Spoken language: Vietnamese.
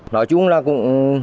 nói chung là cũng